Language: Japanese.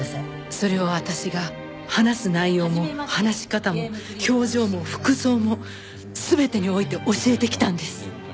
それを私が話す内容も話し方も表情も服装も全てにおいて教えてきたんです。